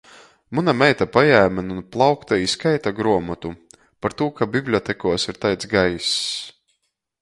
Muna meita pajēme nu plaukta i skaita gruomotu, partū ka bibliotekuos ir taids gaiss.